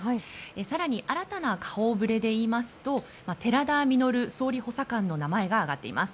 更に新たな顔ぶれでいいますと寺田総理補佐官の名前が挙がっています。